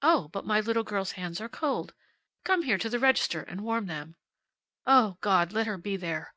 Oh, but my little girl's hands are cold! Come here to the register and warm them.' O God, let her be there!